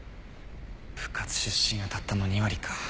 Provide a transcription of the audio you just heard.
部活出身はたったの２割か。